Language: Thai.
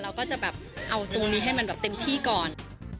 เราก็จะแบบเอาตรงนี้ให้มันแบบเต็มที่ก่อน